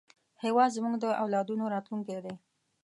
هېواد زموږ د اولادونو راتلونکی دی